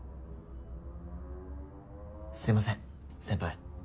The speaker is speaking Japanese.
すみません先輩。